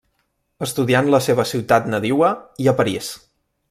Estudià en la seva ciutat nadiua i a París.